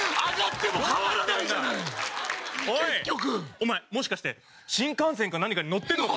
お前もしかして新幹線か何かに乗ってるのか？